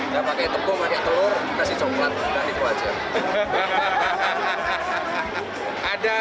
ya pakai tepung pakai telur kasih coklat nah itu aja